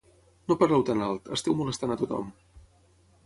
No parleu tan alt, esteu molestant a tothom